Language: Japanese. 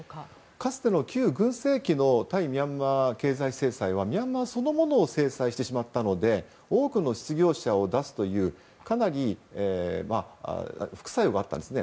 かつての旧軍政期の対ミャンマー経済制裁はミャンマーそのものを制裁してしまったので多くの失業者を出すというかなり副作用があったんですね。